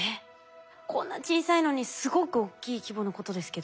こんな小さいのにすごく大きい規模のことですけど。